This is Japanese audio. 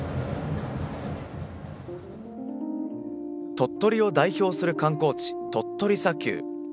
鳥取を代表する観光地鳥取砂丘。